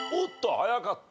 早かった。